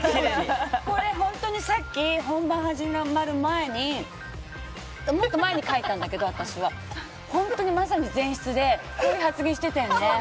これ、本当に、さっき本番始まる前に書いたんだけど本当にまさに前室でこういう発言してたよね。